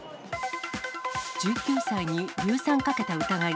１９歳に硫酸かけた疑い。